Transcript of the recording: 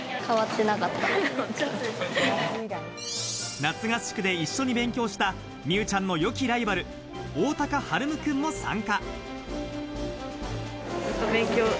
夏合宿で一緒に勉強した美羽ちゃんの良きライバル、大高陽夢くんも参加。